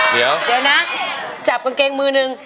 เดี๋ยวนะจับกางเกงมือนึง